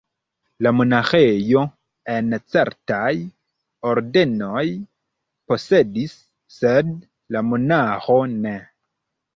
La monaĥejo, en certaj ordenoj, posedis, sed la monaĥo ne.